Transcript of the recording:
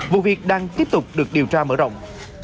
vụ việc đang tiếp tục được điều tra mở rộng